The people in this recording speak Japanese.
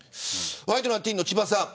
ワイドナティーンの千葉さん。